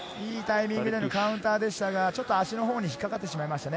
いいタイミングでのカウンターでしたが足のほうに引っかかってしまいましたね。